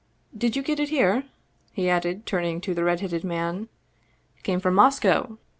" Did you get it here ?" he added, turning to the red headed man. " Came from Moscow